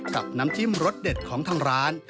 กับน้ำจิ้มรสเด็ดของทางร้าน